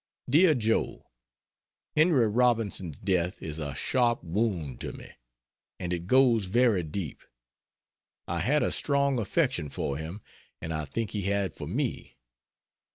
DEAR JOE, Henry Robinson's death is a sharp wound to me, and it goes very deep. I had a strong affection for him, and I think he had for me.